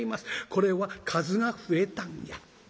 これは数が増えたんや』。